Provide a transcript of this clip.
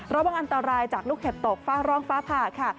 ระวังอันตรายจากลูกเห็บตกฟ้าร้องฟ้าผ่าค่ะ